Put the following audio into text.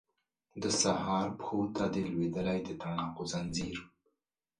د سهار پښو ته دی لویدلی د تڼاکو ځنځیر